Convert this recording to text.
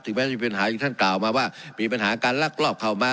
แม้จะมีปัญหาอีกท่านกล่าวมาว่ามีปัญหาการลักลอบเข้ามา